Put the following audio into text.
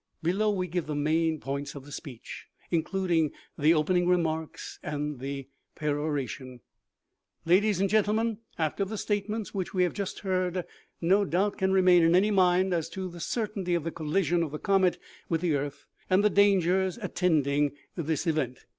Below we give the main points of his speech, including the opening remarks and the peroration :" I v adies and gentlemen : After the statements which we have just heard, no doubt can remain in any mind as to the certainty of the collision of the comet with the earth, and the dangers attending this event.